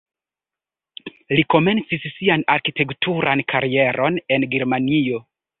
Li komencis sian arkitekturan karieron en Germanio.